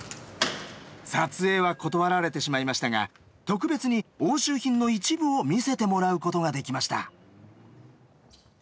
撮影は断られてしまいましたが特別に押収品の一部を見せてもらう事ができました。